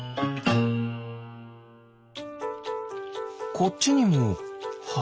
こっちにもハチ？